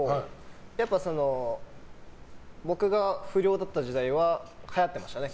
やっぱり僕が不良だった時代ははやっていましたね。